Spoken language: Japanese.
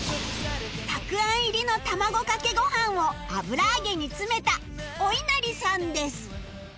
たくあん入りの卵かけご飯を油揚げに詰めたおいなりさんです